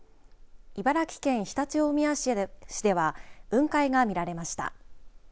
茨城県常陸大宮市では雲海が見られました。